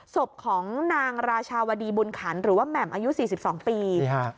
ศพของนางราชาวดีบุญขันหรือว่าแหม่มอายุ๔๒ปี